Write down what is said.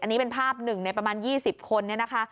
อันนี้เป็นภาพหนึ่งในประมาณ๒๐คน